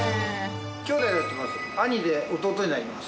兄弟でやってます。